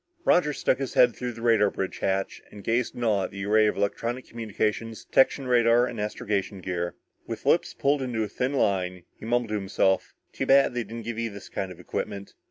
Roger stuck his head through the radar bridge hatch and gazed in awe at the array of electronic communicators, detection radar and astrogation gear. With lips pulled into a thin line, he mumbled to himself: "Too bad they didn't give you this kind of equipment."